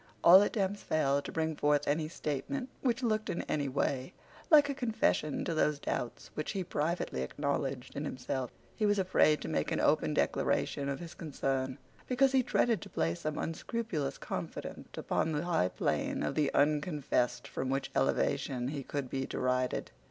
All attempts failed to bring forth any statement which looked in any way like a confession to those doubts which he privately acknowledged in himself. He was afraid to make an open declaration of his concern, because he dreaded to place some unscrupulous confidant upon the high plane of the unconfessed from which elevation he could be derided.